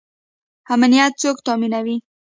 امنیت څوک تامینوي؟